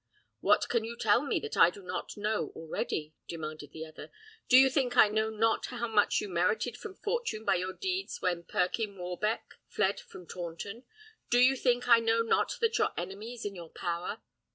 "What can you tell me that I do not know already?" demanded the other. "Do you think I know not how much you merited from fortune by your deeds when Perkyn Warbeck fled from Taunton? Do you think I know not that your enemy is in your power?